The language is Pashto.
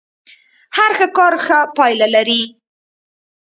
هر ښه کار ښه پايله لري.